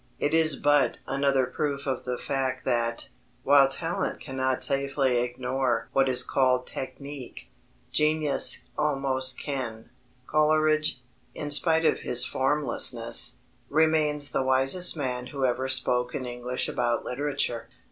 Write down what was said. It is but another proof of the fact that, while talent cannot safely ignore what is called technique, genius almost can. Coleridge, in spite of his formlessness, remains the wisest man who ever spoke in English about literature.